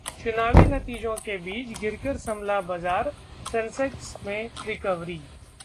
चुनावी नतीजों के बीच गिरकर संभला बाजार, सेंसेक्स में रिकवरी